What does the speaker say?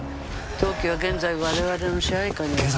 当機は現在我々の支配下にある。